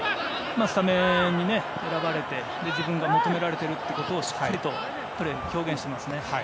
スタメンに選ばれて自分が求められているということをしっかりとプレーで表現してますね。